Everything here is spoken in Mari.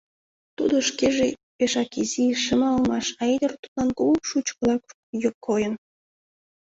Тудо шкеже пешак изи, шыма улмаш, а ӱдыр тудлан кугу шучкыла йойын.